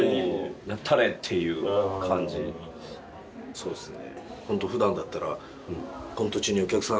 そうっすね。